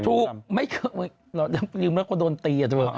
ถูกไม่คุยเหลือคนโดนตรีมะ